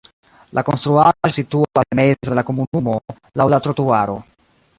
La konstruaĵo situas en mezo de la komunumo laŭ la trotuaro.